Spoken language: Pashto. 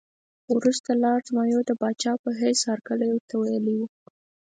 وروسته لارډ مایو د پاچا په حیث هرکلی ورته ویلی وو.